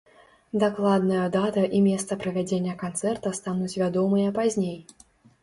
Дакладная дата і месца правядзення канцэрта стануць вядомыя пазней.